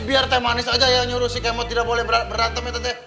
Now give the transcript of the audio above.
biar teh manis aja yang nyuruh si kemot tidak boleh berantem ya tante